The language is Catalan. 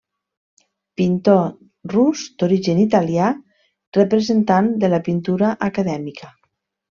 Pintor rus d'origen italià, representant de la pintura acadèmica.